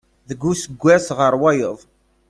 Deg useggas ɣer wayeḍ.